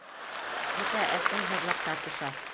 — Бөтә әсем һыҙлап тартыша.